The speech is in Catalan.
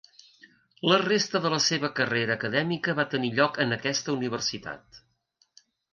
La resta de la seva carrera acadèmica va tenir lloc en aquesta universitat.